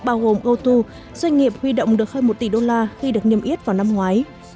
bao gồm ô tô doanh nghiệp huy động được hơn một tỷ đô la khi được niêm yết vào năm ngoái